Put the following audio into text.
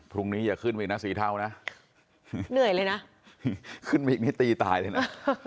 อย่าขึ้นไปอีกนะสีเทานะเหนื่อยเลยนะขึ้นมาอีกนี่ตีตายเลยนะ